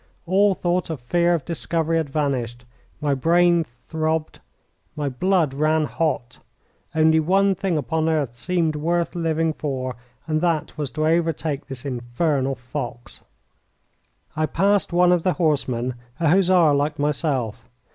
All thought of fear of discovery had vanished. My brain throbbed, my blood ran hot only one thing upon earth seemed worth living for, and that was to overtake this infernal fox. I passed one of the horsemen a Hussar like myself.